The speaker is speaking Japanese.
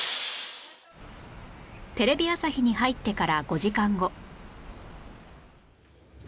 テレビ朝日に入ってから５時間後